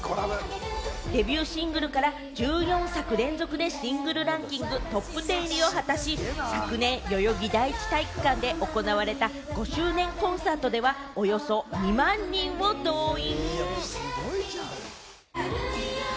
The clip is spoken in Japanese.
デビューシングルから１４作連続でシングルランキングトップ１０入りを果たし、昨年、代々木第一体育館で行われた５周年コンサートではおよそ２万人を動員。